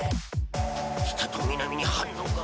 北と南に反応が。